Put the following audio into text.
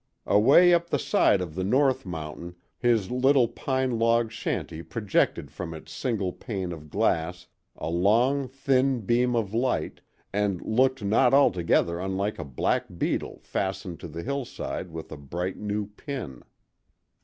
Away up the side of the North Mountain his little pine log shanty projected from its single pane of glass a long, thin beam of light, and looked not altogether unlike a black beetle fastened to the hillside with a bright new pin.